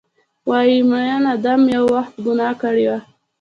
وایې ، میین ادم یو وخت ګناه کړي وه